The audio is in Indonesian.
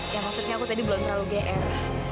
yang maksudnya aku tadi belum terlalu geer